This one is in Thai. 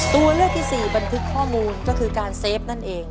ตัวเลือกที่สี่บันทึกข้อมูลก็คือการเซฟนั่นเอง